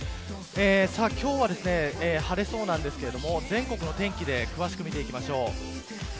今日は晴れそうですけど全国のお天気で詳しく見ていきましょう。